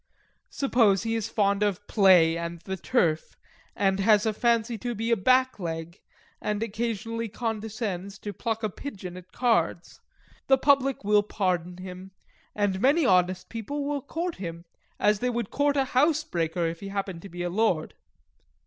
Suppose he is fond of play and the turf; and has a fancy to be a blackleg, and occasionally condescends to pluck a pigeon at cards; the public will pardon him, and many honest people will court him, as they would court a housebreaker if he happened to be a Lord.